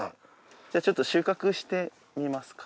じゃあちょっと収穫してみますか。